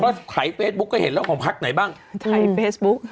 ก็ถ่ายเฟซบุ๊กก็เห็นแล้วของพักไหนบ้างถ่ายเฟซบุ๊ก